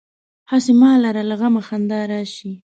هسې ما لره له غمه خندا راشي.